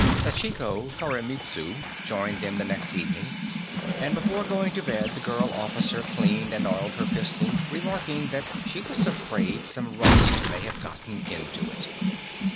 Sachiko Koremitsu joined them the next evening, and before going to bed, the girl officer cleaned and oiled her pistol, remarking that she was afraid some rust may have gotten into it.